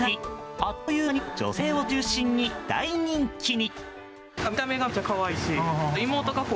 あっという間に女性を中心に大人気に。